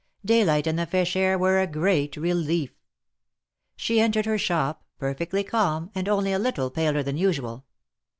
Daylight and the fresh air were a great relief. She entered her shop, perfectly calm, and only a little paler than usual.